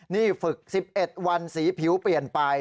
นี่ฝึก๑๑วันสีผิวเปลี่ยนไป